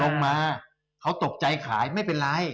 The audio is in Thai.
ลงมาเขาตกใจขายไม่เป็นไร